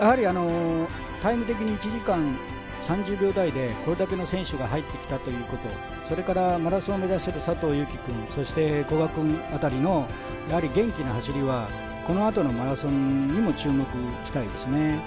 タイム的に１時間３０秒台でこれだけの選手が入ってきたということマラソンを目指している佐藤悠基君、古賀君辺りの元気な走りは、このあとのマラソンにも注目したいですね。